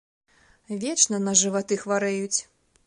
Вечна на жываты хварэюць.